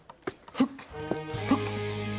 フッ。